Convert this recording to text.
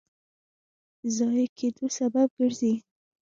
ضایع کېدو سبب ګرځي.